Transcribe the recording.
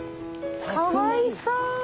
かわいそう。